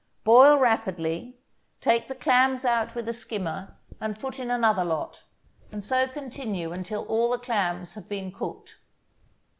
Boil rapidly, take the clams out with a skimmer, and put in another lot, and so continue until all the clams have been cooked.